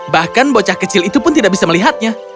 bahkan bocah kecil itu pun tidak bisa melihatnya